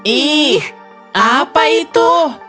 ih apa itu